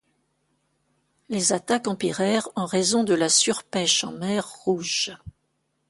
Les attaques empirèrent en raison de la surpêche en mer Rouge.